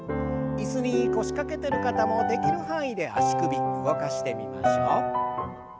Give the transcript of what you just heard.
椅子に腰掛けてる方もできる範囲で足首動かしてみましょう。